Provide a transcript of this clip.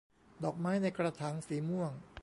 ดอกไม้ในกระถางสีม่วง